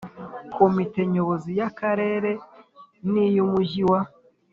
Komite Nyobozi y Akarere n iy Umujyi wa